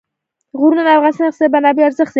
غرونه د افغانستان د اقتصادي منابعو ارزښت زیاتوي.